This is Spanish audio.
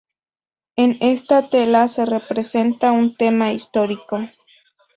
En esta tela se representa un tema histórico.